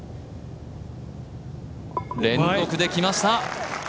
連続できました。